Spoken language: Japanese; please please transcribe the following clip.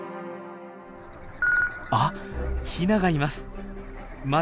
あっヒナがいます！